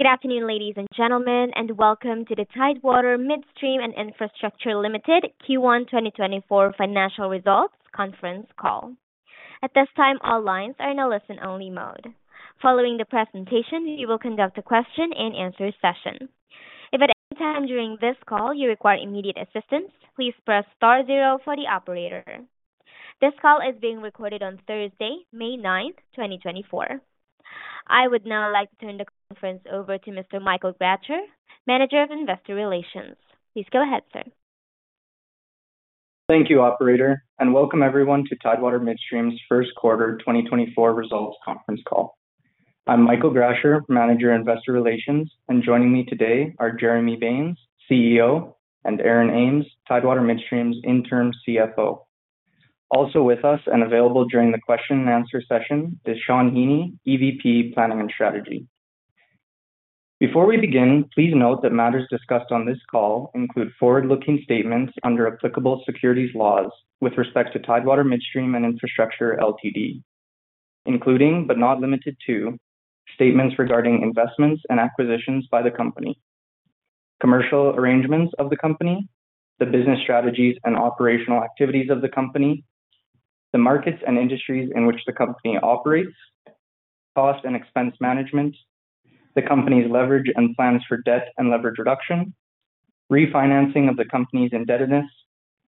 Good afternoon, ladies and gentlemen, and welcome to the Tidewater Midstream and Infrastructure Limited Q1 2024 financial results conference call. At this time, all lines are in a listen-only mode. Following the presentation, we will conduct a question-and-answer session. If at any time during this call you require immediate assistance, please press star zero for the operator. This call is being recorded on Thursday, May 9th, 2024. I would now like to turn the conference over to Mr. Michael Grasher, Manager of Investor Relations. Please go ahead, sir. Thank you, operator, and welcome everyone to Tidewater Midstream's first quarter 2024 results conference call. I'm Michael Grasher, Manager, Investor Relations, and joining me today are Jeremy Baines, CEO, and Aaron Ames, Tidewater Midstream's Interim CFO. Also with us and available during the question and answer session is Shawn Heaney, EVP, Planning and Strategy. Before we begin, please note that matters discussed on this call include forward-looking statements under applicable securities laws with respect to Tidewater Midstream and Infrastructure Ltd., including, but not limited to, statements regarding investments and acquisitions by the company, commercial arrangements of the company, the business strategies and operational activities of the company, the markets and industries in which the company operates, cost and expense management, the company's leverage and plans for debt and leverage reduction, refinancing of the company's indebtedness,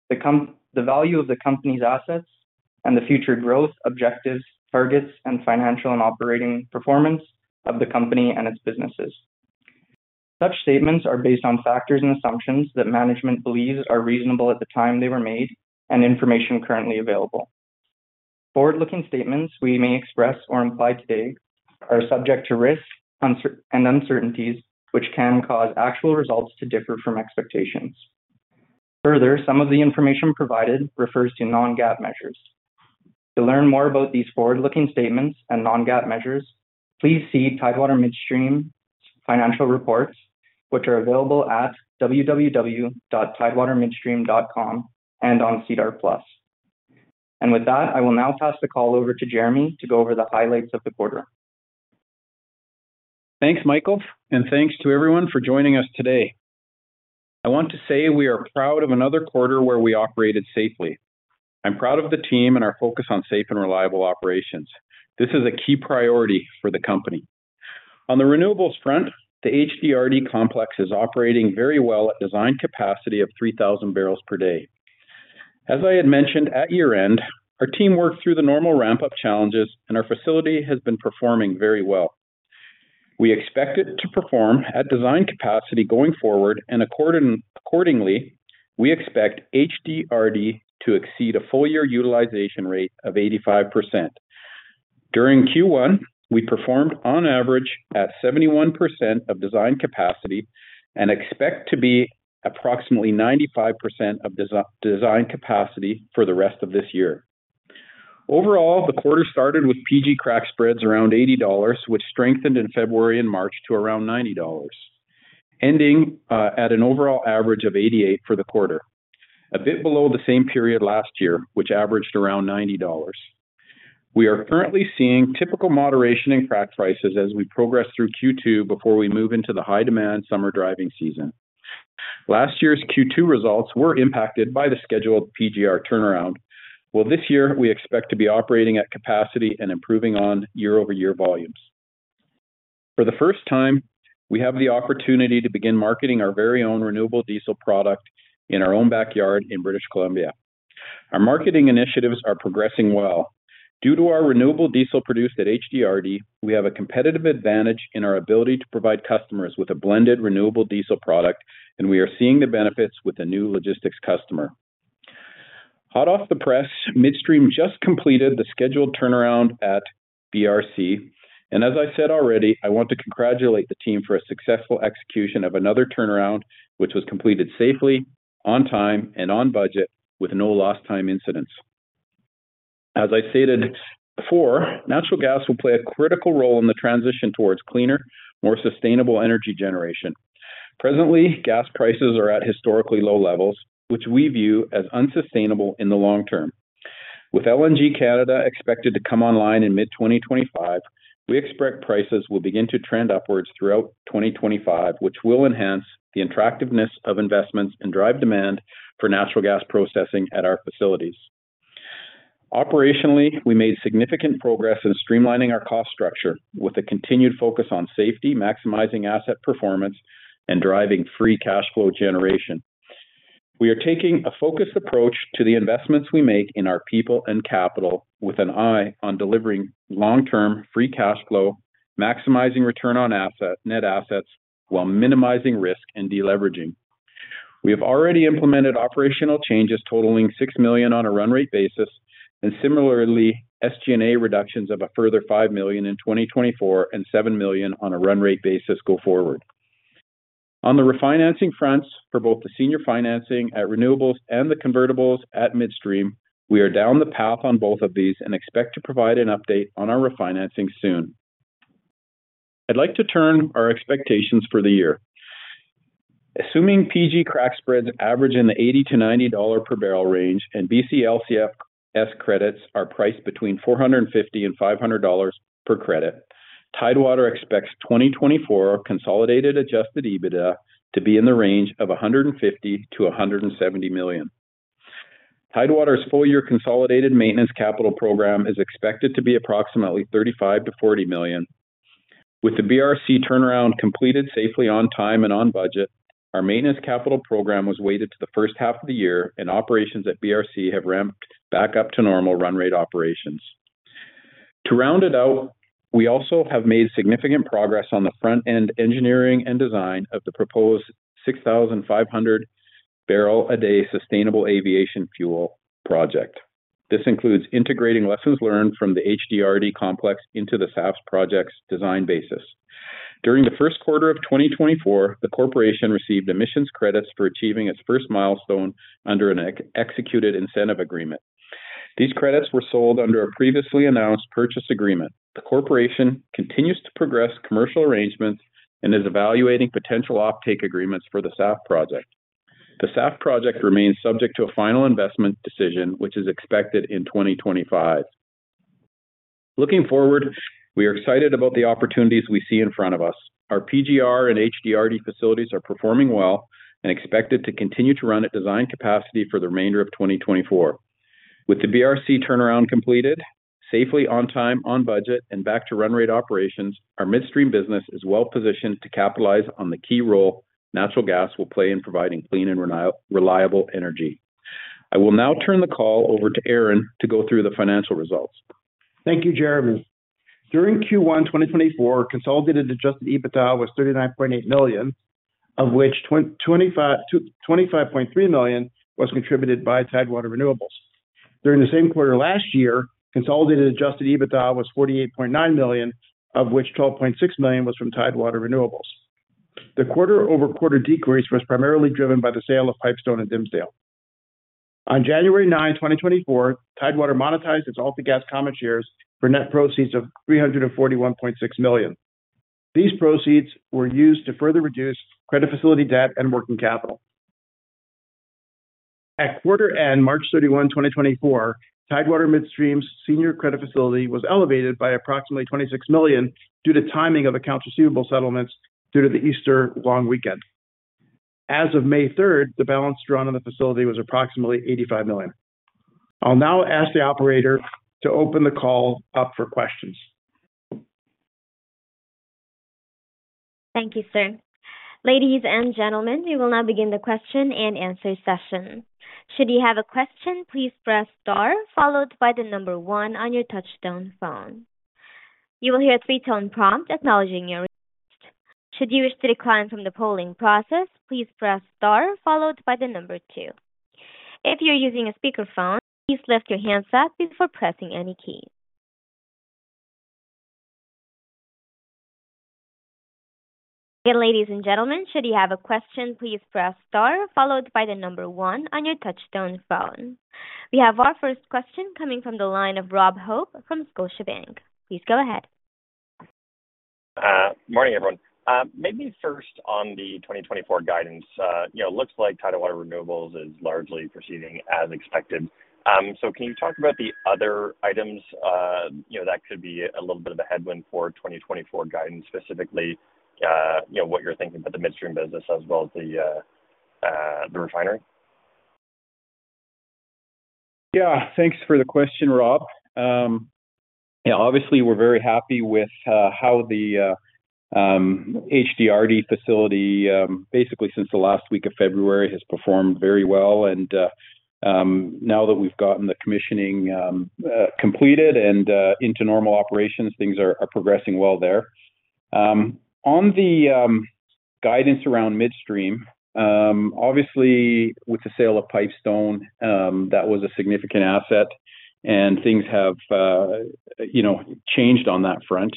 the value of the company's assets, and the future growth, objectives, targets, and financial and operating performance of the company and its businesses. Such statements are based on factors and assumptions that management believes are reasonable at the time they were made and information currently available. Forward-looking statements we may express or imply today are subject to risks, uncertainties, and uncertainties, which can cause actual results to differ from expectations. Further, some of the information provided refers to non-GAAP measures. To learn more about these forward-looking statements and non-GAAP measures, please see Tidewater Midstream's financial reports, which are available at www.tidewatermidstream.com and on SEDAR+. With that, I will now pass the call over to Jeremy to go over the highlights of the quarter. Thanks, Michael, and thanks to everyone for joining us today. I want to say we are proud of another quarter where we operated safely. I'm proud of the team and our focus on safe and reliable operations. This is a key priority for the company. On the Renewables front, the HDRD Complex is operating very well at design capacity of 3,000 barrels per day. As I had mentioned at year-end, our team worked through the normal ramp-up challenges, and our facility has been performing very well. We expect it to perform at design capacity going forward and accordingly, we expect HDRD to exceed a full year utilization rate of 85%. During Q1, we performed on average at 71% of design capacity and expect to be approximately 95% of design capacity for the rest of this year. Overall, the quarter started with PG Crack spreads around 80 dollars, which strengthened in February and March to around 90 dollars, ending at an overall average of 88 for the quarter, a bit below the same period last year, which averaged around 90 dollars. We are currently seeing typical moderation in crack prices as we progress through Q2 before we move into the high-demand summer driving season. Last year's Q2 results were impacted by the scheduled PGR turnaround, while this year we expect to be operating at capacity and improving on year-over-year volumes. For the first time, we have the opportunity to begin marketing our very own renewable diesel product in our own backyard in British Columbia. Our marketing initiatives are progressing well. Due to our renewable diesel produced at HDRD, we have a competitive advantage in our ability to provide customers with a blended, renewable diesel product, and we are seeing the benefits with a new logistics customer. Hot off the press, Midstream just completed the scheduled turnaround at BRC, and as I said already, I want to congratulate the team for a successful execution of another turnaround, which was completed safely, on time, and on budget, with no lost time incidents. As I stated before, natural gas will play a critical role in the transition towards cleaner, more sustainable energy generation. Presently, gas prices are at historically low levels, which we view as unsustainable in the long term. With LNG Canada expected to come online in mid-2025, we expect prices will begin to trend upwards throughout 2025, which will enhance the attractiveness of investments and drive demand for natural gas processing at our facilities. Operationally, we made significant progress in streamlining our cost structure with a continued focus on safety, maximizing asset performance, and driving free cash flow generation. We are taking a focused approach to the investments we make in our people and capital, with an eye on delivering long-term free cash flow, maximizing return on asset, net assets, while minimizing risk and deleveraging. We have already implemented operational changes totaling 6 million on a run rate basis, and similarly, SG&A reductions of a further 5 million in 2024 and 7 million on a run rate basis go forward. On the refinancing fronts for both the senior financing at renewables and the convertibles at Midstream, we are down the path on both of these and expect to provide an update on our refinancing soon. I'd like to turn to our expectations for the year. Assuming PG Crack spreads average in the 80- 90 dollar per barrel range and BC LCFS credits are priced between 450 and 500 dollars per credit. Tidewater expects 2024 consolidated Adjusted EBITDA to be in the range of 150 million-170 million. Tidewater's full year consolidated maintenance capital program is expected to be approximately 35 million-40 million. With the BRC turnaround completed safely on time and on budget, our maintenance capital program was weighted to the first half of the year, and operations at BRC have ramped back up to normal run rate operations. To round it out, we also have made significant progress on the front end engineering and design of the proposed 6,500 barrel a day sustainable aviation fuel project. This includes integrating lessons learned from the HDRD complex into the SAF project's design basis. During the first quarter of 2024, the corporation received emissions credits for achieving its first milestone under an executed incentive agreement. These credits were sold under a previously announced purchase agreement. The corporation continues to progress commercial arrangements and is evaluating potential offtake agreements for the SAF project. The SAF project remains subject to a final investment decision, which is expected in 2025. Looking forward, we are excited about the opportunities we see in front of us. Our PGR and HDRD facilities are performing well and expected to continue to run at design capacity for the remainder of 2024. With the BRC turnaround completed safely on time, on budget, and back to run rate operations, our midstream business is well positioned to capitalize on the key role natural gas will play in providing clean and reliable energy. I will now turn the call over to Aaron to go through the financial results. Thank you, Jeremy. During Q1 2024, consolidated Adjusted EBITDA was 39.8 million, of which 25.3 million was contributed by Tidewater Renewables. During the same quarter last year, consolidated Adjusted EBITDA was 48.9 million, of which 12.6 million was from Tidewater Renewables. The quarter-over-quarter decrease was primarily driven by the sale of Pipestone and Dimsdale. On January 9, 2024, Tidewater monetized its [inaudible] common shares for net proceeds of 341.6 million. These proceeds were used to further reduce credit facility debt and working capital. At quarter end, March 31, 2024, Tidewater Midstream's senior credit facility was elevated by approximately 26 million due to timing of accounts receivable settlements due to the Easter long weekend. As of May 3rd the balance drawn on the facility was approximately 85 million. I'll now ask the operator to open the call up for questions. Thank you, sir. Ladies and gentlemen, we will now begin the question and answer session. Should you have a question, please press star followed by one on your touchtone phone. You will hear a three-tone prompt acknowledging your request. Should you wish to decline from the polling process, please press star followed by two. If you're using a speakerphone, please lift your handset before pressing any keys. Again, ladies and gentlemen, should you have a question, please press star followed by one on your touchtone phone. We have our first question coming from the line of Rob Hope from Scotiabank. Please go ahead. Morning, everyone. Maybe first on the 2024 guidance, you know, looks like Tidewater Renewables is largely proceeding as expected. So can you talk about the other items, you know, that could be a little bit of a headwind for 2024 guidance, specifically, you know, what you're thinking for the midstream business as well as the refinery? Yeah, thanks for the question, Rob. Yeah, obviously, we're very happy with how the HDRD facility basically since the last week of February has performed very well. And now that we've gotten the commissioning completed and into normal operations, things are progressing well there. On the guidance around midstream, obviously, with the sale of Pipestone, that was a significant asset and things have, you know, changed on that front.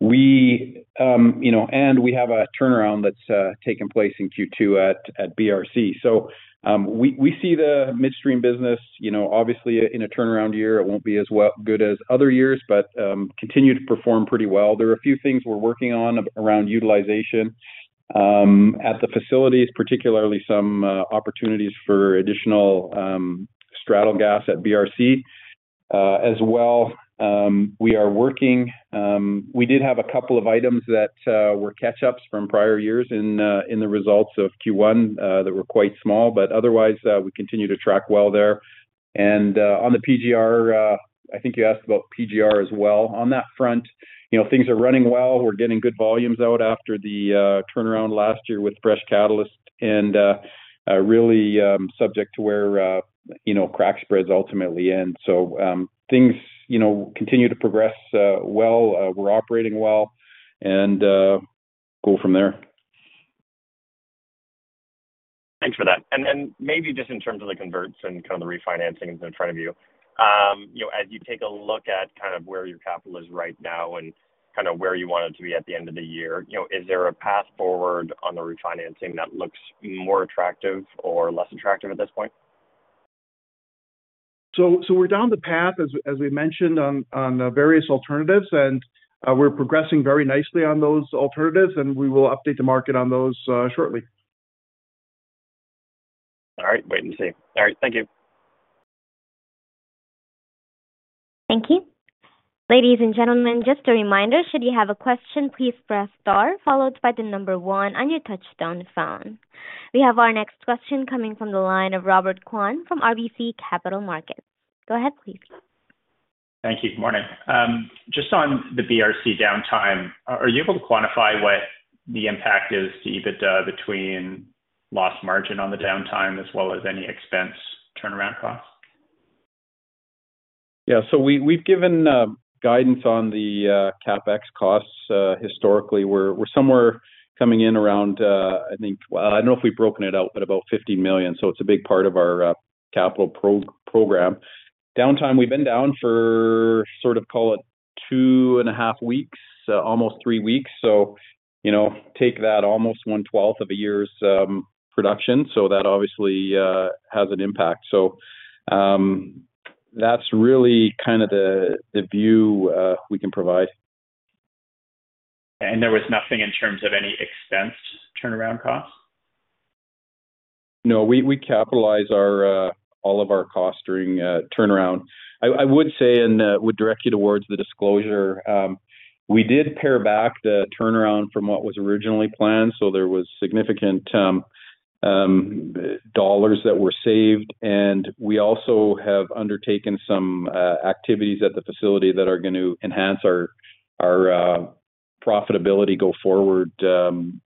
We, you know, and we have a turnaround that's taking place in Q2 at BRC. So, we see the midstream business, you know, obviously in a turnaround year, it won't be as good as other years, but continue to perform pretty well. There are a few things we're working on around utilization at the facilities, particularly some opportunities for additional straddle gas at BRC. As well, we are working. We did have a couple of items that were catch-ups from prior years in the results of Q1 that were quite small, but otherwise, we continue to track well there. On the PGR, I think you asked about PGR as well. On that front, you know, things are running well. We're getting good volumes out after the turnaround last year with fresh catalyst and really subject to where you know crack spreads ultimately end. So, things, you know, continue to progress well. We're operating well and go from there. Thanks for that. And then maybe just in terms of the converts and kind of the refinancings in front of you, you know, as you take a look at kind of where your capital is right now and kind of where you want it to be at the end of the year, you know, is there a path forward on the refinancing that looks more attractive or less attractive at this point? So we're down the path as we mentioned on the various alternatives, and we're progressing very nicely on those alternatives, and we will update the market on those shortly. All right. Wait and see. All right, thank you. Thank you. Ladies and gentlemen, just a reminder, should you have a question, please press star, followed by the number one on your touchtone phone. We have our next question coming from the line of Robert Kwan from RBC Capital Markets. Go ahead, please. Thank you. Good morning. Just on the BRC downtime, are you able to quantify what the impact is to EBITDA between lost margin on the downtime as well as any expense turnaround costs? Yeah, so we, we've given guidance on the CapEx costs. Historically, we're somewhere coming in around, I think. Well, I don't know if we've broken it out, but about 50 million, so it's a big part of our capital program. Downtime, we've been down for sort of call it 2 1/2 weeks, almost three weeks, so, you know, take that almost 1/12 of a year's production. So that obviously has an impact. So, that's really kind of the view we can provide. There was nothing in terms of any expense turnaround costs? No, we capitalize our all of our costs during turnaround. I would say and would direct you towards the disclosure. We did pare back the turnaround from what was originally planned, so there was significant dollars that were saved, and we also have undertaken some activities at the facility that are gonna enhance our profitability go forward.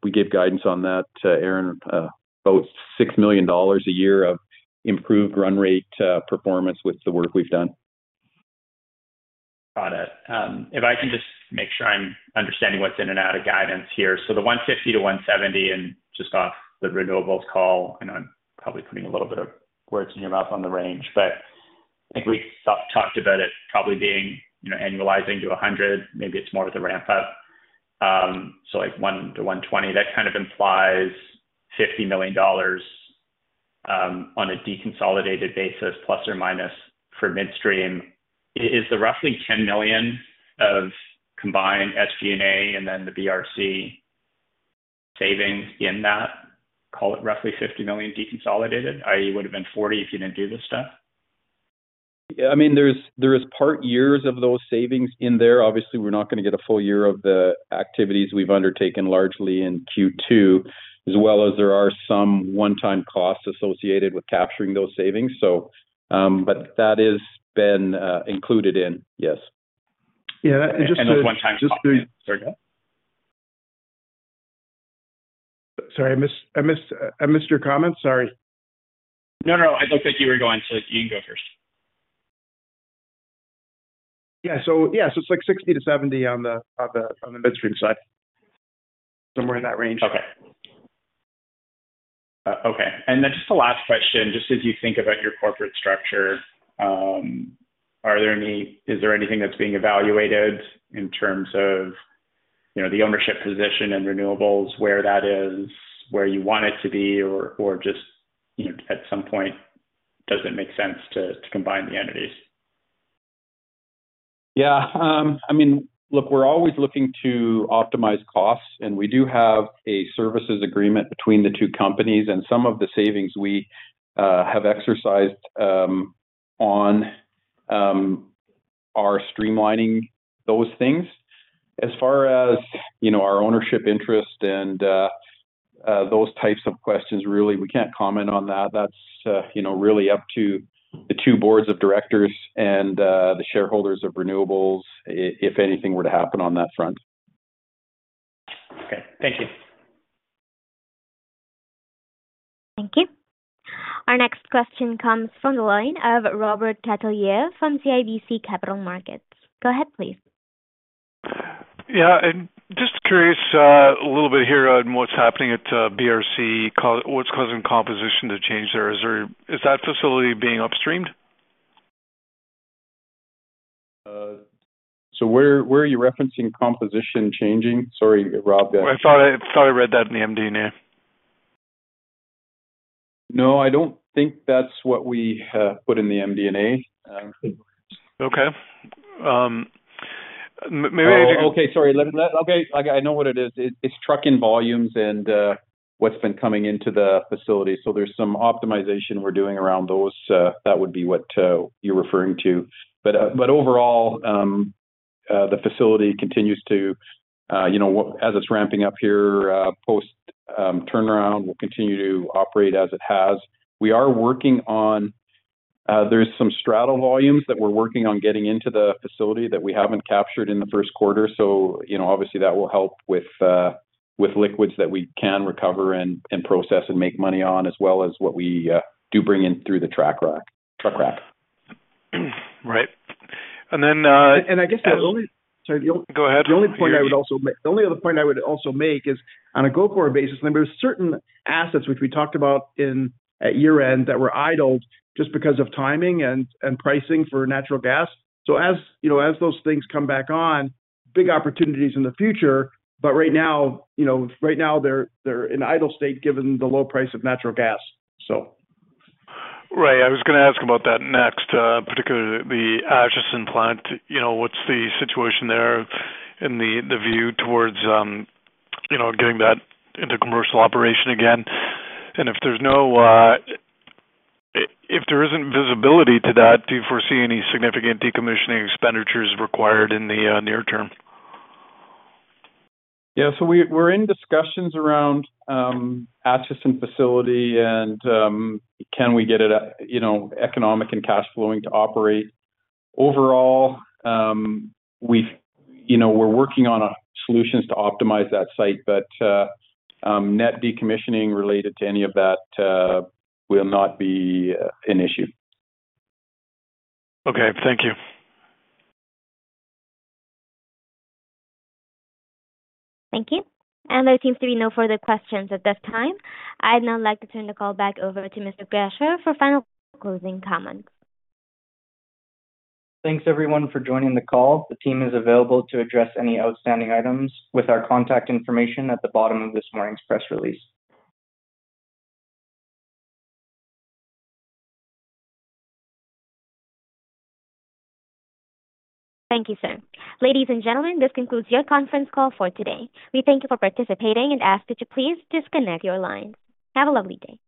We gave guidance on that to Aaron about 6 million dollars a year of improved run rate performance with the work we've done. Got it. If I can just make sure I'm understanding what's in and out of guidance here. So the 150-170, and just off the renewables call, and I'm probably putting a little bit of words in your mouth on the range, but I think we talked about it probably being, you know, annualizing to 100. Maybe it's more with the ramp up. So like 1-120, that kind of implies 50 million dollars, on a deconsolidated basis, plus or minus for midstream. Is the roughly 10 million of combined SGNA and then the BRC savings in that, call it roughly 50 million deconsolidated, I would have been 40 if you didn't do this stuff? Yeah, I mean, there is part years of those savings in there. Obviously, we're not gonna get a full year of the activities we've undertaken largely in Q2, as well as there are some one-time costs associated with capturing those savings. So, but that has been included in, yes. Yeah, and just to. And those one-time. Just to. Sorry, go ahead. Sorry, I missed your comment. Sorry. No, no, I looked like you were going, so you can go first. Yeah. So, it's like 60-70 on the midstream side. Somewhere in that range. Okay. Okay, and then just the last question, just as you think about your corporate structure, are there any, is there anything that's being evaluated in terms of, you know, the ownership position and renewables? Where that is? where you want it to be, or just, you know, at some point, does it make sense, to combine the entities? Yeah. I mean, look, we're always looking to optimize costs, and we do have a services agreement between the two companies, and some of the savings we have exercised are streamlining those things. As far as, you know, our ownership interest and those types of questions, really, we can't comment on that. That's, you know, really up to the two boards of directors and the shareholders of Renewables if anything were to happen on that front. Okay, thank you. Thank you. Our next question comes from the line of Robert Catellier from CIBC Capital Markets. Go ahead, please. Yeah, and just curious, a little bit here on what's happening at BRC. What's causing composition to change there? Is that facility being upstreamed? So, where are you referencing composition changing? Sorry, Rob? I thought I read that in the MD&A. No, I don't think that's what we put in the MD&A. Okay. Maybe. Okay, sorry. Okay, I know what it is. It's trucking volumes and what's been coming into the facility. So there's some optimization we're doing around those. That would be what you're referring to. But overall, the facility continues to, you know, as it's ramping up here, post turnaround, will continue to operate as it has. We are working on. There's some straddle volumes that we're working on getting into the facility that we haven't captured in the first quarter. So, you know, obviously, that will help with liquids that we can recover and process and make money on, as well as what we do bring in through the truck rack. Right. And then. I guess the only. Sorry, go ahead. The only other point I would also make is, on a go-forward basis, I mean, there's certain assets which we talked about in, at year end, that were idled just because of timing and, and pricing for natural gas. So as, you know, as those things come back on, big opportunities in the future, but right now, you know, right now they're, they're in idle state, given the low price of natural gas, so. Right. I was gonna ask about that next, particularly the Acheson plant. You know, what's the situation there in the view towards, you know, getting that into commercial operation again? And if there's no, if there isn't visibility to that, do you foresee any significant decommissioning expenditures required in the near term? Yeah, so we're in discussions around Acheson facility and can we get it a, you know, economic and cash flowing to operate. Overall, we've, you know, we're working on a solutions to optimize that site, but net decommissioning related to any of that will not be an issue. Okay, thank you. Thank you. There seems to be no further questions at this time. I'd now like to turn the call back over to Mr. Grasher for final closing comments. Thanks, everyone, for joining the call. The team is available to address any outstanding items with our contact information at the bottom of this morning's press release. Thank you, sir. Ladies and gentlemen, this concludes your conference call for today. We thank you for participating and ask that you please disconnect your lines. Have a lovely day.